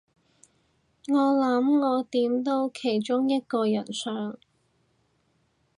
我諗我點到其中一個人相